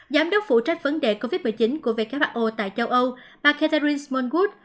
giám đốc phụ trách vấn đề covid một mươi chín của who tại châu âu bà catherine smallwood